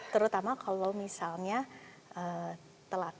terutama kalau misalnya telat